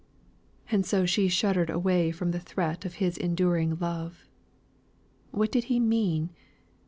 And so she shuddered away from the threat of his enduring love. What did he mean?